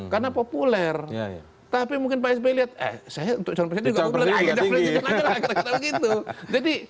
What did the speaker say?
karena populer tapi mungkin pak sby lihat eh saya untuk calon presiden juga